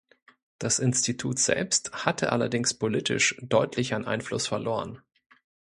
Das Institut selbst hatte allerdings politisch deutlich an Einfluss verloren.